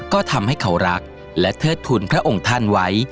ก็ทำให้เขารักและเทิดทุนพระองค์ท่านไว้